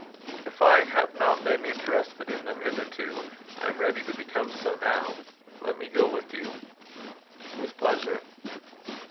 "If I have not been interested in them hitherto, I am ready to become so now. Let me go with you." "With pleasure."